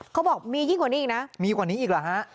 เขาบอกมียิ่งกว่านี้อีกนะมีกว่านี้อีกเหรอฮะ